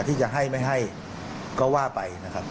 ที่จะให้ไม่ให้ก็ว่าไปนะครับ